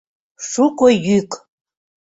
Шуко йӱк.